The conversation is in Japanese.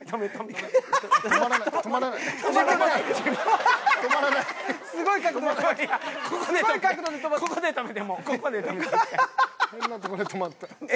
変なとこで止まった。